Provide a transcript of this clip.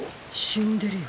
死んでるよ。